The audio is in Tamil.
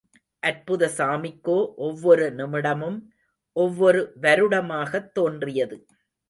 அற்புத சாமிக்கோ ஒவ்வொரு நிமிடமும் ஒவ்வொரு வருடமாகத்தோன்றியது.